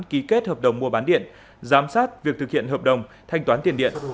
ký kết hợp đồng mua bán điện giám sát việc thực hiện hợp đồng thanh toán tiền điện